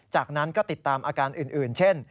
จากนั้นก็ติดตามอาการอื่นเช่น